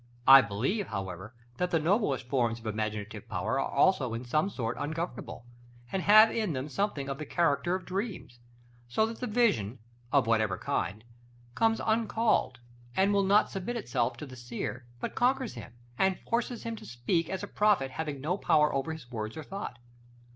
I believe, however, that the noblest forms of imaginative power are also in some sort ungovernable, and have in them something of the character of dreams; so that the vision, of whatever kind, comes uncalled, and will not submit itself to the seer, but conquers him, and forces him to speak as a prophet, having no power over his words or thoughts.